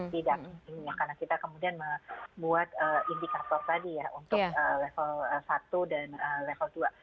tidak karena kita kemudian membuat indikator tadi ya untuk level satu dan level dua